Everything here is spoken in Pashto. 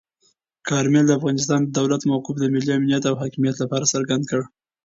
کارمل د افغانستان د دولت موقف د ملي امنیت او حاکمیت لپاره څرګند کړ.